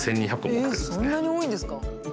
そんなに多いんですか？